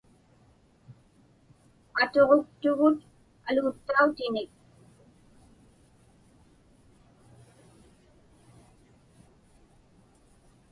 Atuġuktugut aluutautinik.